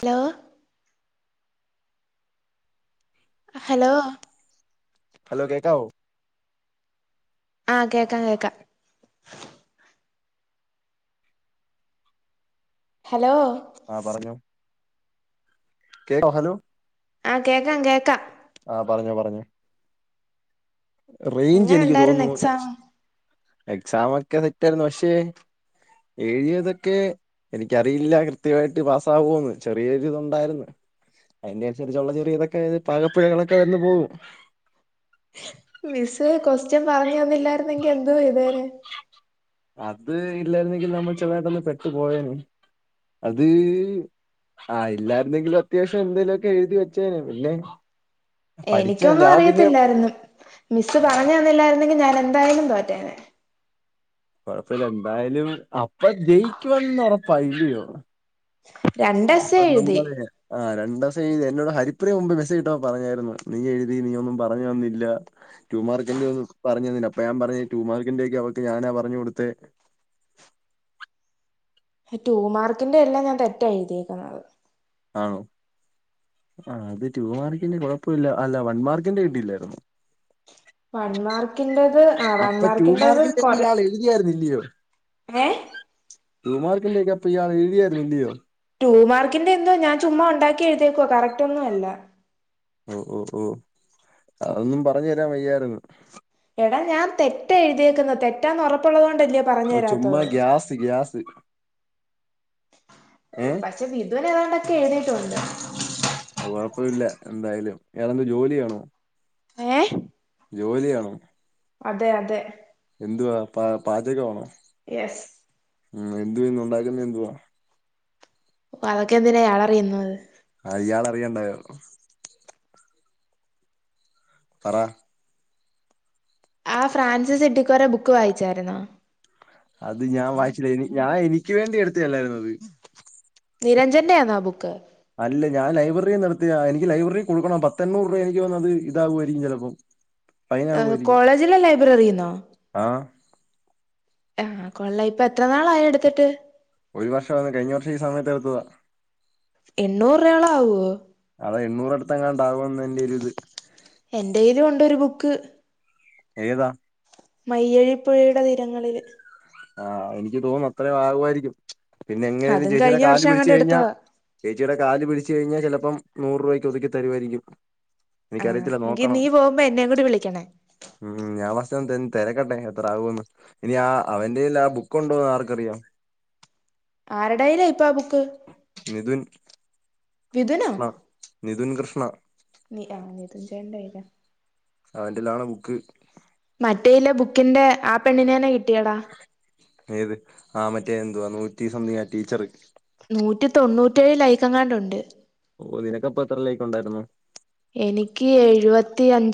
Hello hello hello കേക്കാവോ? ആ കേക്കാം കേക്കാം. ഹലോ ആ പറഞ്ഞോ കേ ഹലോ ആഹ് കേക്കാം കേക്കാം [inaudible] എങ്ങനെ എനിക്ക് ഉണ്ടായിരുന്നു തോന്നുന്നു എക്സാം എക്സാം ഒക്കെ സെറ്റായിരുന്നു. പക്ഷെ എഴുതിയതൊക്കെ എനിക്കറിയില്ല ക്ർ കൃത്യമായിട്ട് പാസ്സാകോന്ന്. ചെറിയൊരു ഇതുണ്ടായിരുന്നു. അതിന്റെ അനുസരിച്ചുള്ള ചെറിയ ഇതൊക്കെ പാകപ്പിഴകളൊക്കെ വന്ന് പോകും. മിസ് കോസ്റ്റ്യൻ പറഞ്ഞു തന്നില്ലായിരുന്നെങ്കി എന്തോ ചെയ്തേനെ? അത് ഇല്ലായിരുന്നെങ്കിൽ നമ്മൾ ചെതായിട്ടൊന്ന് പെട്ടു പോയേനെ. അത് ആ ഇല്ലായിരുന്നെങ്കിലും അത്യാവശ്യം എന്തെലുമൊക്കെ എഴുതി വെച്ചേനെ പിന്നെ പഠിച്ച എനിക്കൊന്നും ഞാൻ പിന്നെ അറിയത്തില്ലായിരുന്നു. മിസ്സ് ആ പറഞ്ഞ് തന്നില്ലായിരുന്നെങ്കി ഞാൻ എന്തായാലും തോറ്റേനെ. കൊഴപ്പില്ല എന്തായാലും അപ്പൊ ജയിക്കുവന്നുറപ്പാ ഇല്ല്യോ? രണ്ട് എസ്സേ അപ്പൊ എഴുതി നമ്മള് ആ രണ്ട തി എന്നോട് ഹരിപ്രിയ മുമ്പ് മെസ്സജ് ഇട്ടപ്പം പറഞ്ഞായിരുന്നു. നീ എഴുതി നീ ഒന്നും പറഞ്ഞ് തന്നില്ല. ടു മാർക്കിന്റെ ഒന്നും പറഞ്ഞ് തന്നില്ല. അപ്പൊ ഞൻ പറഞ്ഞ് ടു മാർക്കിന്റെ ഒക്കെ അവൾക്ക് ഞാനാ പറഞ്ഞു കൊടുത്തെ. ടൂ മാർക്കിന്റെ എല്ലാം ഞാൻ തെറ്റാ എഴുതിയേക്കുന്നത്. ആണോ ആ അത് ടു മാർക്കിന്റെ കുഴപ്പുല്ല അല്ല വൺ മാർക്കിന്റെ കീട്ടില്ലായിരുന്നോ? വൺമാർക്കിന്റെ ആ വൺ അപ്പൊ ടു മാർക്കിന്റത് മാർക്കിന്റെ ഒക്കെ കൊറെ ഇയാൾ എഴുതിയായിരുന്നില്ലയോ ഏ റൂമാർക്കിലേക്കപ്പൊ യാ എഴതിയായിരുന്ന ഇയോ ടു മാർക്കിന്റെ എന്തോ ഞാൻ ചുമ്മാ ഉണ്ടാക്കി എഴുതേക്കോ കറക്റ്റ് ഒന്നും അല്ല ഓ ഓ ഓ അതൊന്നും പറഞ്ഞു തരാൻ വയ്യാരന്ന് എടാ ഞാൻ തെറ്റ എഴുതിയേക്കുന്നത് തെറ്റാന്ന് ഉറപ്പുള്ളതുകൊണ്ട് തല്ലേ പറഞ്ഞ് തരാത്തത് ത് പക്ഷെ ഇതുവനെ ഏതാണ്ട എഴുതിയിട്ടുണ്ട് അത് കൊഴപ്പമില്ല എന്തായാലും വറെന്ത് ജോലിയാണോ ഏ ജോലിയാണോ അതെ അതെ എന്തുവാ പ പാചകമാണോ യെസ് ഉം എന്താ ഇന്ന് ഉണ്ടാക്കുന്ന എന്തുവാ പാവെകെന്തിന ഇയാളറിയുന്നത് അ ഇയാളറിയണ്ടായോ പറ ആ ഫ്രാൻസിസെറ്റ്ക്കൊറെ ബുക്ക് വായിച്ചായ്രുന്നോ അത് ഞാൻ വായിച്ചിലേനി ഞാൻ ഇനിക്ക് വേണ്ടി എടുത്- എല്ലാ [unintelligible] ന്നു അത് നിരഞ്ജന്റെ ആന്നോ ആ ബുക്ക് അല്ല ഞാൻ ലൈബ്രറി നിർത്തിയ എനിക്ക് ലൈബ്രറി കൊടുക്കണം പത്തണ്ണുർ രൂപ എനിക്ക് വന്ന അത് ഇതാവുമായിരിക്കും ചിലപ്പോം കോളേജിലെ ലൈബ്രറിന്നോ ആഹ് ആഹ് കൊള്ള ഇപ്പൊ എത്ര നാളായി എടുത്തിട്ട് ഒരു വർഷം കഴിഞ്ഞ വർഷം ഈ സമയത്ത് എടുത്തതാ എണ്ണൂറ രോള ആവോ അത എണ്ണൂറ അടത്തങ്ങാണ്ടാകുംന്ന് എന്റെ ഒരു ഇത് എന്റെലും ഉണ്ട് ഒരു ബുക്ക് ഏതാ മയ്യഴിപ്പുഴയുടെ തീരങ്ങളില് ആഹ് എനിക്ക് തോന്നുന്നു അത്രയും ആഗുവായിരിക്കും പിന്നെ എങ്ങനെലും അതും ചേച്ചിയുടെ കഴിഞ്ഞ കാല് വർഷം പിടിച്ച് അങ്ങാണ്ട് കഴിഞ്ഞാൽ എടുത്തതാ ചേച്ചിയുടെ കാല് പിടിച്ച് കഴിഞ്ഞാൽ ചിലപ്പം നൂറ് രൂപയ്ക്ക് ഒതുക്കി തരുമായിരിക്കും ആഹ് എനിക്കറിയത്തില്ല എങ്കി നോക്കണം നീ പോവുമ്പോ എന്നേ കൂടി വിളിക്കണേ തിരക്കെട്ടെ എത്ര ആകുമന്ന് ഇനി ആ അവന്റെല്ല ആ ബുക്കുണ്ടോന്ന് ആർക്കറിയാം ആരുടയില ഇപ്പൊ ആ ബുക്ക് നിധുൻ വിധുനോ കൃഷ്ണ നിധുൻ കൃഷ്ണ നി അ നി തുഞ്ചണ്ടായിരാ അവന്റെലാണ് ബുക്ക് ന്റെ ആ പെണ്ണിന [unintelligible] ഏത് ആ റ്റേ എന്തുവാ നൂറ്റി സംതിങ്ങ ആ ടീച്ചറ് നൂറ്റി തൊണ്ണൂറ്റേഴ് ലൈക്കെങ്ങാണ്ടുണ്ട് ഓ നിനക്കപ്പ എത്ര ലൈക് ഒണ്ടാര്ന്ന്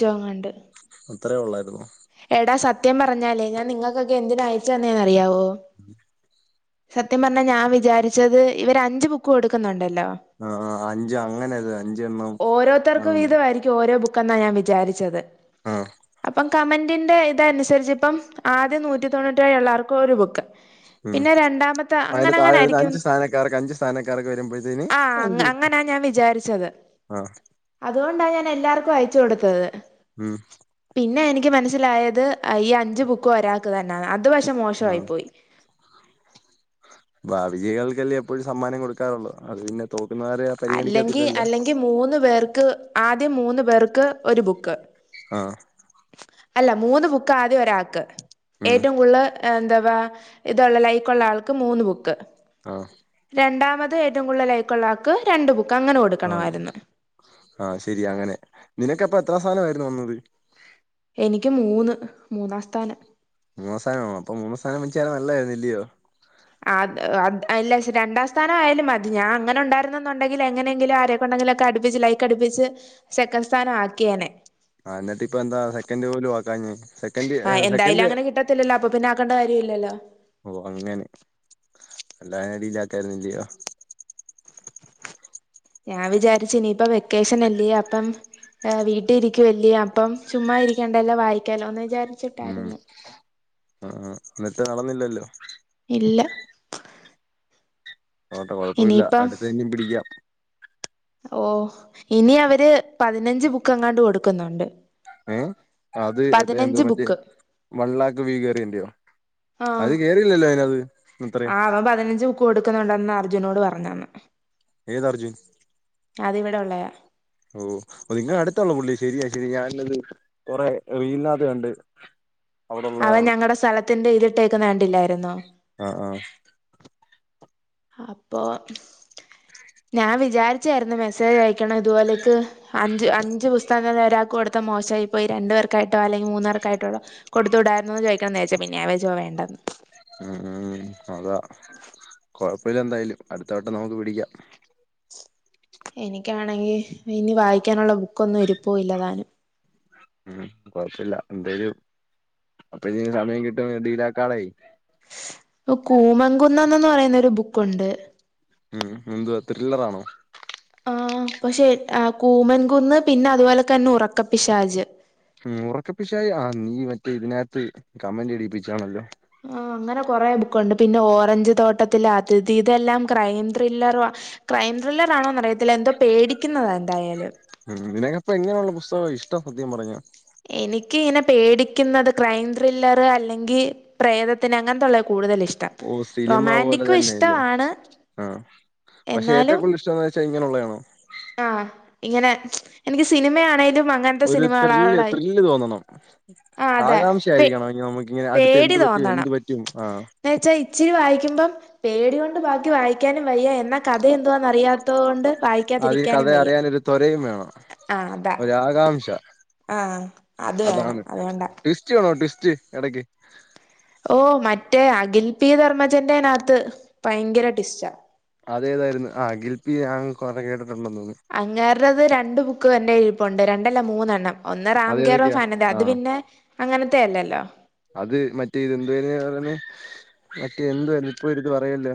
[unintelligible] ങ്ങാണ്ട് അത്രേ ഒള്ളാരുന്നോ എടാ സത്യം പറഞ്ഞാലേ ഞാൻ നിങ്ങക്കക്കെ എന്തിനാ അയച്ച് തന്നേന്നറിയാവോ സത്യം പറഞ്ഞാ ഞാൻ വിചാരിച്ചത് ഇവര് അഞ്ച് ബുക്ക് ഒടുക്കുന്നുണ്ടായിരുന്നു ആ ആ അഞ്ച് അങ്ങനെ ത് അഞ്ചെണ്ണം ആ [unintelligible] ഞാവിചാരിച്ചത് ആ ത്തെ അനുസരിച്ചിപ്പം ആദ്യം നൂറ്റി തൊണ്ണൂറ്റെഴ്ള്ളോർക്ക് ഒരു ബുക്ക് ഉം പിന്നെ രണ്ടാമത്തെ അതിന്റെ താഴെ വരുന്ന അങ്ങനങ്ങനാരിക്കും അഞ്ച് സ്ഥാനക്കാർക്ക് അഞ്ച് സ്ഥാനക്കാർക്ക് വരുമ്പോഴത്തേന് ആ അഞ്ച് അങ്ങനാ ഞാൻ വിചാരിച്ചത് ആ അതുകൊണ്ടാ ഞാൻ എല്ലാർക്കും അയക് [unintelligible] കൊടുത്തത് ഉം പിന്നെയെനിക് ക്ക് മനസിലായത് ഈ അഞ്ച് ബുക്കും ഒരാക്ക് തന്നാന്ന് അത് ഇതു പഷെ ആ മോശവായി പോയി [unintelligible] എപ്പോഴും സമ്മാനം കൊടുക്കാറുള്ളു അത് പിന്നെ തോക് അല്ലെങ്കി അല്ലെങ്കി മൂന്ന് പേർക്ക് ആദ്യം മൂന്ന് പേർക്ക് ഒരു ബുക്ക് ആ അല്ല മൂന്ന് ബുക്ക് ആദ്യം ഒരാക്ക് ഉം ഏറ്റവും കൂടല് എന്താ വാ ഇതൊള്ള ലൈക്കൊള്ള ആൾക്ക് മൂന്ന് ബുക്ക് ആ രണ്ടാമത് ത് ഏറ്റവും കൂടുതല് ലൈക്കൊള്ളാക്ക് രണ്ട് ബുക്ക് അങ്ങനെ ആ കൊടുക്കണമായിരുന്നു ആ ശരിയ അങ്ങനെ നിനക്കപ്പ എത്രാം സാനവായിരുന്നു വന്നത് എനിക്ക് മൂന്ന് മൂന്നാം സ്ഥാനം മൂന്നാ സ്സാനമാ ആ അപ്പൊ മൂന്നാ സഥാനംവെച്ച യാള് നല്ലായിരുന്നു ഇല്യോ ആ ഇല്ല പക്ഷെ രണ്ടാം സ്ഥാനം ആയാലും മതി ഞാൻ അങ്ങനൊണ്ടാരുന്നെങ്കില് എങ്ങനെങ്കിലും ആരെക്കൊണ്ടെങ്കിലുമൊക്കെ അടിപ്പിച്ച് ലൈക്ക് അടിപ്പിച്ച് സെക്കൻ് സ്ഥാനം ആക്കിയേനെ ആ എന്നിട്ട്പ്പ എന്താ സെക്കൻഡ് പോലും ആക്കാഞ്ഞേ സെക്കൻഡ് ആ എന്തായാലും സെക്കൻഡ് അങ്ങനെ കിട്ടത്തില്ലല്ലോ അപ്പൊ പിന്നെ ആക്കണ്ട കാര്യ ഇല്ലല്ലോ [unintelligible] ഇല്ലയോ ഇപ്പ വെക്കേഷൻ അല്ലേ അപ്പം ഏഹ് വീട്ടിരിക്കുവല്ലേ അപ്പം ചുമ്മാ ഇരിക്കണ്ടല്ലോ വായിക്കാലോന്ന് വിചാരിച്ച് മ് ആ എന്നിട്ട് നടന്നില്ലല്ലോ ഇല്ല പോട്ടെ കുഴപ്പമില്ല ഇനിയിപ്പം അടുത്ത ഇന്നീം പിടിക്കാം ഓ ഇനി അവര് പതിനഞ്ച് ബുക്ക് അങ്ങാണ്ട് കൊടുക്കുന്നുണ്ട് ഏഹ് അത് പതിനഞ്ച് എന്തുവാ മറ്റേ ബുക്ക് വൺലാക്ക് വ്യൂ കയറിയന്റെയോ അത് കേറിയില്ലല്ലോ അതിനാത്ത് ആ അവൻ പതിനഞ്ച് ബുക്ക് കൊടുക്കുന്നുണ്ടന്ന് അർ ജുനോട് പറഞ്ഞന്ന് ഏത് അർജുൻ അതിവിടെ ഉള്ളയാ ഓ നിങ്ങളെ അടുത്തൊള്ള പുള്ളി ശരിയാ ശരിയാ ഞാനത് കൊറെ റീലിനകത്ത് കണ്ട് അവൻ അവിടെള്ളതാണ് ഞങ്ങടെ സ്ഥലത്തിന്റെ ഇതിട്ടേക്കുന്ന കണ്ടില്ലായിരുന്നോ ആഹ് ആഹ് അപ്പൊ ഞാൻ വിചാരിച്ചായിരുന്നു മെസ്സേജ് അയക്കണം ഇതുപോലേക്ക് അഞ്ച് അഞ്ച് പുസ്തകമേ ഒരാൾക്ക് കൊടുത്ത മോശമായി പോയി രണ്ടു പേർക്കായിട്ടോ അല്ലെങ്കിൽ മൂന്നാേർക്കായിട്ടൊള്ള കൊടുത്തു വിടായിരുന്നു എന്ന് ചോദിക്കണം എന്നു വിചാരിച്ചു പിന്നെ ഞാൻ വിചാരിച്ചു വേണ്ടന്ന് മ് മ്ഹ് അതാ കൊഴപ്പില്ല എന്തായാലും അടുത്തവട്ടം നമുക്ക് പിടിക്കാം എനിക്ക് ആണെങ്കി ഇനി വായിക്കാനൊള്ള ബുക്കൊന്നും ഇരിപ്പൂ ഇല്ല താനും മ് കൊഴപ്പില്ല എന്തായും അപ്പ ഇനി സമയം കിട്ടും [unintelligible] കൂമൻകുന്നെന്നൊന്ന് പറയുന്നെ ഒരു ബുക്കുണ്ട് മ്ഹ് എന്തുവാ ത്രില്ലറാണോ ആ പക്ഷെ കൂമൻകുന്ന് പിന്നെ അതുപോലെക്കെ തന്നെ ഉറക്കപ്പിശാജ് മ് ഒറക്കപ്പിശാചാ ആ നീ മറ്റേ ഇതിനകത്ത് കമന്റ് ഇടിപ്പിച്ചാണല്ലോ ആ അങ്ങനെ കൊറേ ബുക്കൊണ്ട് പിന്നെ ഓറഞ്ച് തോട്ടത്തിലെ അതിഥി ഇതെല്ലാം ക്രൈം ത്രില്ലറുവ ക്രൈം ത്രില്ലർ ആണോന്ന് അറിയത്തില്ല എന്തോ പേടിക്കുന്നതാ എന്തായാലും മ് നിനക്കപ്പോ എങ്ങനെയുള്ള പുസ്തകമാ ഇഷ്ടം സത്യം പറഞ്ഞ എനിക്ക് ഇങ്ങനെ പേടിക്കുന്നത് ക്രൈം ത്രില്ലർ അല്ലെങ്കി പ്രേതത്തിന് അങ്ങനത്തെള്ളാ കൂടുതൽ ഇഷ്ടം ഓ സിനിമ പോലെ റൊമാന്റിക്കും തന്നെയല്ലേ ഇഷ്ടമാണ് എന്നാലും [unintelligible] ഇങ്ങനെയൊള്ളയാണോ ആ ഇങ്ങനെ എനിക്ക് സിനിമയാണേലും അങ്ങനത്തെ ഒരു ത്രില്ല് സിനിമകളോടായി ത്രില്ല് തോന്നണം ആ അതെ ആകാംക്ഷ പേ ആയിരിക്കണം അയ്യോ നമ്മക്ക് ഇങ്ങനെ അടുത്ത എന്ത് പേടി പറ്റും എന്ത് തോന്നണം പറ്റും ആ എന്ന് വെച്ചാ ഇച്ചിരി വായിക്കുമ്പം പേടി കൊണ്ട് ബാക്കി വായിക്കാനും വയ്യ എന്ന കഥ എന്തുവാ എന്ന് അറിയാത്തോണ്ട് വായിക്കാതിരി അത് കഥ അറിയാനൊരു തോ [unintelligible] ഒരാകാംക്ഷ ആഹ് അത് വേണം അതുകൊണ്ടാ റ്റ് എടക്ക് ഓ മറ്റേ അഖിൽ പീ ധർമ്മജന്റെനകത്ത് ഭയങ്കര ട്വിസ്റ്റാ അതേതായിരുന്നു ആ അഖിൽ പി കൊറേ കേട്ട് അങ്ങേരുടെത് രണ്ട് ബു ക്ക് എൻ്റെ ഇരിപ്പൊണ്ട് രണ്ടല്ല മൂന്നെണ്ണം ഒന്ന് റാം അതേതൊക്കെയാ കെയറോഫ്‌ ആനന്ദി അത് ആഹ് പിന്നെ, അങ്ങനെ അല്ലലോ അത് മറ്റേ ഇത് എന്താരുന്നു അതിനു പറയുന്നേ, മറ്റേ എന്തുവാരുന്നു, ഇപ്പൊ ഒരിത് പറയുവല്ലോ,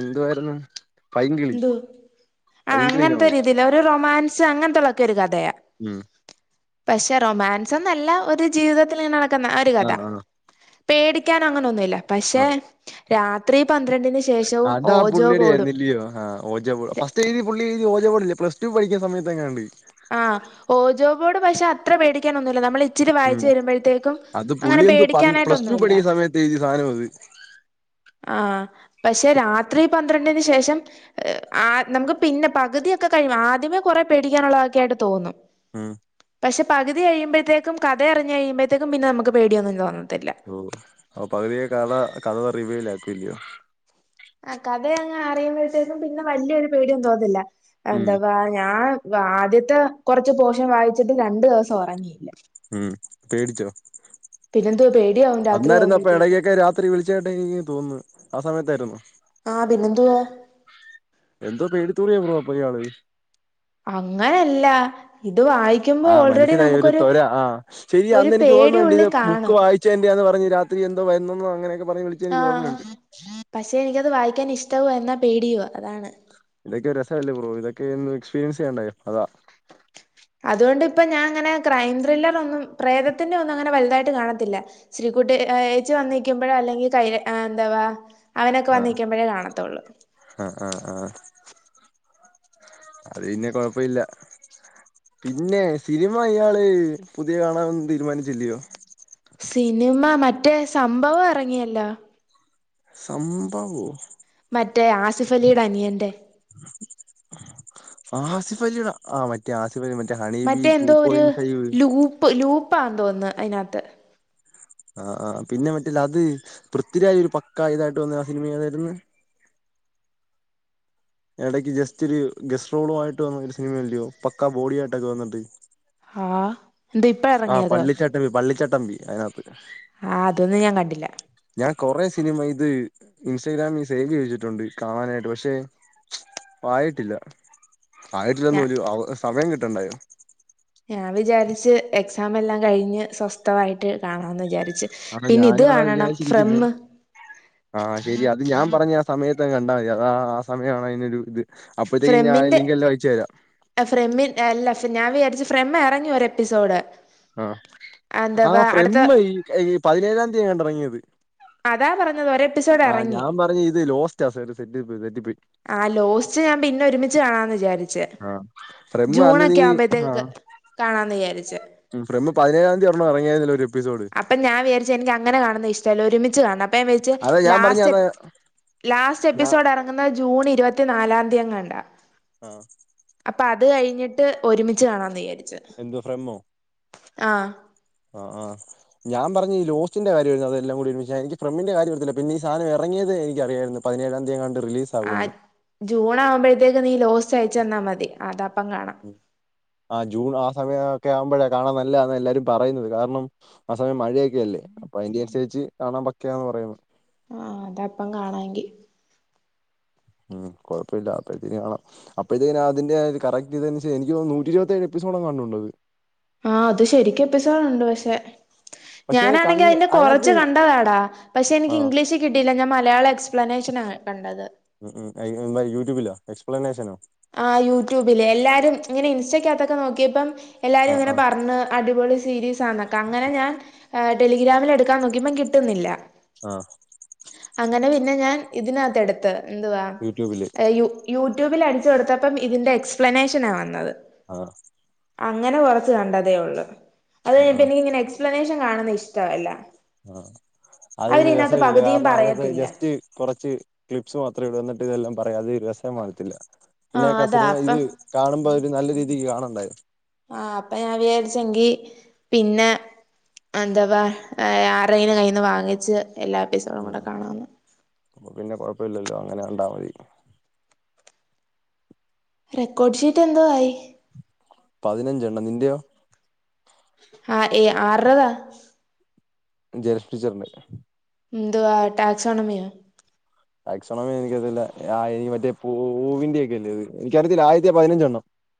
എന്തു ആയിരുന്നു. എന്തുവാ, ആ അങ്ങനത്തെ നോവൽ രീതി ലഒരു റൊമാൻസ് അങ്ങനത്തുള്ളക്കെ ഒരു കഥയാ ഉം പക്ഷെ റൊമാൻസ് എന്നല്ല ഒരു ജീവിതത്തിൽ ഇങ്ങനെ നട നടക്കുന്ന ഒരു കഥ ആഹ് ആഹ് പേടിക്കാൻ അങ്ങനെ ഒന്നു ഇല്ല പക്ഷേ ആഹ് രാത്രി പന്ത്രണ്ടിനന് ശേഷവും ഓജോ ബോഡും ആ ഓജോ ബോഡ്, ഫസ്റ്റ് എഴുതി., പുള്ളി എഴുതി, [unintelligible] ഓ ജോ ഇത് പോലെ പ്ലസ്ടു പഠിക്കുന്ന സമയത്ത് എങ്ങനണ്ട് ആ ഓജോ ബോഡ് പക്ഷെ അത്ര പേടിക്കാനൊന്നുല്ല നമ്മള് ഉം അത് പുള്ളി എന്തോ പ പ്ലസ്ടു പേടിക്കാനായിട്ടൊന്നുല്ല പഠിക്കുന്ന സമയത്ത് എഴുതിയ സാധനാ അത് ആ പക്ഷെ രാത്രി പന്ത്രണ്ടിന് ശേഷം ആ നമുക്ക് പിന്നെ പകുതിയൊക്കെ കഴിയു ആദ്യമേ കൊറെ പേടിക്കാനുള്ളതൊക്കെ ആയിട്ട് തോന്നും ഉം പക്ഷേ പകുതി കഴിയുമ്പോഴുത്തേക്കും കഥയറിഞ്ഞ് കഴിയുപോഴേത്തെക്കും പിന്നെ നമുക്ക് പേടി ഒന്നുമല്ല തോന്നണത് ഓ അപ്പൊ പകുതിയെ കഥ കഥ റിവ്യൂ വിലാക്കും ഇയ്യോ ആ കഥയ അങ്ങെ അറിയുമ്പോഴത്തേക്കും പിന്നെ വലിയൊരു പേടിയും തോന്നത്തില്ല ഉം എന്തവാ ഞാൻ ആദ്യത്തെ കുറച്ച് പോഷൻ വായിച്ചിട്ട് രണ്ടു ദിവസം ഉറങ്ങിയില്ല ഉം, പേടിച്ചോ, പിന്നെന്തോ പേടിയാവും രാത്രി അന്നാരന്ന് അപ്പ ആവുമ്പോഴത്തേക്കും ഇടക്കൊക്കെ രാത്രി വിളിച്ചതായിട്ടെ എനിക്ക് തോന്നുന്നു ആ സമയത്തായിരുന്നു ആ പിന്നെന്തുവാ. [unintelligible] അങ്ങനല്ല ഇത് വായിക്കുമ്പോ ആ, ഓൾറെഡി മനസ്സിലായി ഒരു നമുക്കൊരു തൊര, ആ ശരി ഒരു അന്നെനിക്ക് പേടി ഓർമ്മയുണ്ട് ഇത് ഉള്ളിൽ ബുക്ക് കാണും വായിച്ചേന്റെയാന്ന് പറഞ്ഞ് രാ- ഇനി എന്തോ വരുന്നോ, അങ്ങനൊക്കെ ആ പക്ഷെ എനിക്കത് വായി പിന്നെ ഇഷ്ടവായി വന്നാ പേടിയുവാ അതാണ് [unintelligible] ഇല്ല ബ്രൊ ഇതൊക്കെ ഒന്ന് എക്സ്പീരിയൻസ് ചെയ്യാണ്ടായോ, അതാ അതുകൊണ്ട് ഇപ്പൊ ഞാൻ അങ്ങനെ ക്രൈം ത്രില്ലർ ഒന്നും പ്രേതത്തിന്റെ ഒന്നും അങ്ങനെ വലുതായിട്ട് കാണത്തില്ല, ശ്രീകുട്ടി ഏച്ചി വന്നു നിക്കുമ്പോഴോ അല്ലെങ്കിൽ എന്തവാ. അവനൊക്കെ വന്ന് ആഹ് നിക്ക്മ്പഴേ കാണത്തൊള്ളൂ ആഹ് ആഹ് ആഹ് അത് പിന്നെ കൊഴപ്പമില്ല പിന്നെ സിനിമ ഇയാള് പുതിയ കാണൻനാെന്നും തീര്മാന്ച്ചില്ലിയോ സിന് മ മറ്റേ സംഭവം എറങ്ങിയല്ലാ സംഭവോ മറ്റേ ആസിഫലിയ്ടെ അനിയന്റെ ഫലിയ്ടെ മറ്റേ ആസി മറ്റേ ഹണീബി മറ്റേ റ്റൂ പോയിൻഫൈവ് പ്പാൺന്ന് തോന്ന്ന്ന് അയ്നകത്ത് ആ ആ പിന്നെ മറ്റില്ലത് പൃഥ്വിരാജ് ഒര് പക്കാ ഇതായിട്ട് വന്ന ആ സിനിമ ഏതായിര്ന്ന് എടയ്ക്ക് ജസ്റ്റാെരു ഗസ് റോളു ആയിട്ട് വന്ന ഒര് സിൻമയില്ലിയോ പക്കാ ബോഡിയായ്ട്ടൊക്കെ വന്ന്ട്ട് ഹാ ആ പള്ളി ചട്ടമ്പി പള്ളി ചട്ടമ്പി ട്ടമ്പി അയ്നകത്ത് ആ അതൊന്നും ഞാൻ കണ്ടില്ല ഞാൻ കൊറെ സിനിമ ഇത് ഇൻസ്റ്റഗ്രാമിൽ സേവ് ചെയ്തു വച്ചിട്ടുണ്ട് കാണാനായിട്ട് പക്ഷെ പായിട്ടില്ല ആയിട്ടില്ലന്ന് ഞാ ഒരു സമയം കി [unintelligible] കുറച്ച് എക്സാം എല്ലാം കഴിഞ്ഞു സ്വസ്ഥമായിട്ട് കാണാന്ന് വിചാരി ആ പിന്നെ ഇത് ഞാനും അതാ കാണണം വിചാരിച്ചിരിക്കുന്നെ ഫ്രെമ്മ് ആ ശെരി അത് ഞാൻ പറഞ്ഞ ആ സമയത്ത് കണ്ടാൽ മതി അത് ആ സമയാണ് അതിനൊരു ഇത് അപ്പോഴത്തേക്ക്‌ ഞാൻ ലിങ്ക് എല്ലാം അയച്ച് തരാം ഫ്രം അല്ല ഞാൻ വിചാരിച്ച് ഫ്രം എറങ്ങി ഒരു എപ്പിസോഡ് ആ ആ എന്താവാ ഫ്രം അടുത്ത ഈ പതിനേഴാമ് [unintelligible] റങ്ങിയത് അതാ പറഞ്ഞത് ഒരു എപ്പിസോഡ് ആ ഇറങ്ങി ഞാൻ പറഞ് ഇത് ലോസ്റ്റ്‌ [unintelligible] തെറ്റി പോയി ആ ലോസ്റ്റ്‌ ഞാൻ പിന്നെ ഒരുമിച്ച് ആന്ന് വിചാരി ച്ച് ആ ഫ്രമ്മ് ജൂൺ അന്ന് നീ ഒക്കെ ആ ആവുമ്പോത്തേക്ക് കാണാന്ന് വിചാരിച് ഉം ഫ്രമ് പതിനേഴാം തിയതി ഒരു എണ്ണം ഇറങ്ങി ആയി അപ്പൊ ഞാൻ വിചാരിച്ച് എനിക്ക് അങ്ങനെ കാണുന്നത് ഇഷ്ടല്ല ഒരുമിച്ച് ച്ച് കാണണം അതാ ഞാൻ പറഞ്ഞ ലാസ്റ്റ് അതാ എപ്പി ലാസ്റ്റ് ഞാ എപ്പിസോഡ് ഇറങ്ങുന്നത് ജൂൺ ഇരുപത്തിനാല്നാ [unintelligible] ആ അത് കഴിഞ്ഞിട്ട് ഒരുമിച്ച് കാണ്ണാംന്ന് വിചാരി എന്തോ ഫ്രമോ ആ ആ ഞാൻ പറഞ്ഞെ ലോസ്റ്റിന്റെ കാര്യമായിരുന്നു അതെല്ലാം കൂടിന്ന് എനിക്ക് പ്രേംമിന്റെ കാര്യം ഓർത്തിട്ടാ ഈ സാധനം എറങ്ങിയത് എനിക്കറിയായിരുന്നു പതിനെഴാം തീയതി എങ്ങാണ്ട് റിലീസ് ആ ആകുമെന്ന് ജൂൺ ആവുമ്പോഴത്തേക്ക് നീ ലോസ്റ്റ് അയച്ചു തന്നാൽ മത [unintelligible] പ്പം കാണാം ആ ജൂൺ ആ സമയം ഒക്കെ ആവുമ്പോഴാ കാണാൻ നല്ലതാന്ന് എല്ലാരും പറയുന്നത് കാരണം ആ സമയം മഴയൊക്കെ അല്ലേ അപ്പൊ അതിന് അനുസരിച്ച് കാണാൻ പക്കെയാന്ന് പറയുന്നത് ആ അത് അപ്പം കാണാങ്കി ഉം കുഴപ്പല്ല അപ്പോഴത്തേക്ക് കാണാം അപ്പോഴത്തേക്ക് അതിന്റെ കറക്റ്റ് ഇതനുസ എനിക്ക് തോന്നുന്നു നൂറ്റി ഇരുപത്തേഴ് എപ്പിസോടെങ്ങാനുണ്ട് ആ അത് ശരികും എപ്പിസോഡുണ്ട് പക്ഷെ പക്ഷെ അത് ഞാനാണെങ്കി കണ്ട് അതിന്റെ കൊറച്ച് അതിനകത്ത് കണ്ടതാടാ പക്ഷെ എനിക്ക് ആഹ് ഇംഗ്ലീഷ് കിട്ടില്ല ഞാൻ മലയാളം എക്സ്പ്ലനേഷനാ കണ്ടത് എക്സ്പ്ലനെഷനോ തൊക്കെ നോക്കിയപ്പം എല്ലാരും ആഹ് ഇങ്ങനെ ആഹ് പറഞ്ഞ് അടിപൊളി സീരീസ് ആന്നൊക്കെ അങ്ങനെ ഞാൻ ടെലിഗ്രാമിൽ എടുക്കാൻ നോക്കിയപ്പം കിട്ടുന്നില്ല ആഹ അങ്ങനെ പിന്നെ ഞാൻ ഇതിനകത്ത് എടുത്ത് എന്തുവാ യൂട്യൂബില് യൂ യൂട്യൂബിൽ അടി കൊടുത്തപ്പം ഇതിന്റെ എക്സ്പ്ലനേഷനാ വന്നത് ആഹ അങ്ങനെ കൊറച്ച് കണ്ടതേ ഉള്ളു അത് ആഹ് കഴിഞ്ഞപ്പോ ആഹ് എനിക്ക് ഇങ്ങനെ എസ്പ്ലനേഷൻ കാണുന്നത് ഇഷ്ടമല്ല ആഹ അത് രസമി പകുതിയും കാരണം അതിനകത്ത് പറയത്തില്ല ജസ്റ്റ് കുറച്ച് ക്ലിപ്സ് മാത്രമേ ഇടൂള്ളൂ [unintelligible] അത് രസ്യം കാണത്തില്ല ആഹ് പിന്നെക്കാ അതാ സിനിമ അപ്പം ഇത് കാണുമ്പോ ഒരു നല്ലൊരു കാണണ്ടായോ ആഹ അപ്പൊ ഞാൻ വിചാരിച്ചെങ്കി പിന്നെ എന്താവാ ആരെറേ കയ്ന്ന് വാങ്ങിച്ച് എല്ലാ എപ്പിസോഡും കൂടെ കാണാന്ന് ഇപ്പം അങ്ങനെ കണ്ടാ മതി റെക്കോർഡ്ഷീറ്റ് എന്തോ ആയി പതിനഞ്ചെണ്ണം നിന്റെയോ ആഹ ആര്ർതാ [unintelligible] എന്തുവാ ടാക്സോണമിയോ ടാക്സോണമി എനിക്കതില്ല മറ്റേ പൂവിന്റെ ഒക്കെയില്ലേ എനിക്കറിയത്തില്ല ആദ്യത്തെ പതിനഞ്ചെണ്ണം